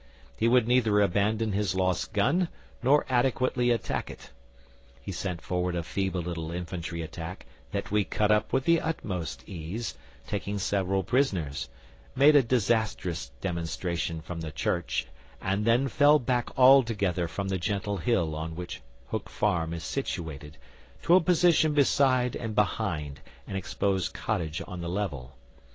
He would neither abandon his lost gun nor adequately attack it. He sent forward a feeble little infantry attack, that we cut up with the utmost ease, taking several prisoners, made a disastrous demonstration from the church, and then fell back altogether from the gentle hill on which Hook Farm is situated to a position beside and behind an exposed cottage on the level.